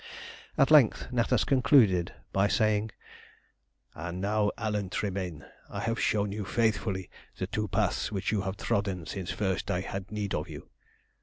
At length Natas concluded by saying "And now, Alan Tremayne, I have shown you faithfully the two paths which you have trodden since first I had need of you.